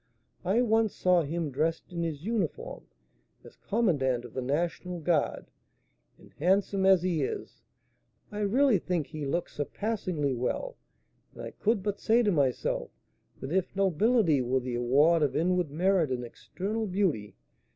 I once saw him dressed in his uniform as commandant of the national guard, and, handsome as he is, I really think he looked surpassingly well, and I could but say to myself, that, if nobility were the award of inward merit and external beauty, M.